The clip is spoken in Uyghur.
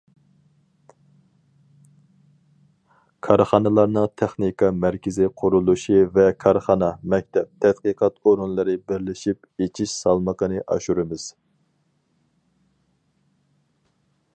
كارخانىلارنىڭ تېخنىكا مەركىزىي قۇرۇلۇشى ۋە كارخانا، مەكتەپ، تەتقىقات ئورۇنلىرى بىرلىشىپ ئېچىش سالمىقىنى ئاشۇرىمىز.